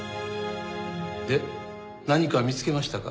で何か見つけましたか？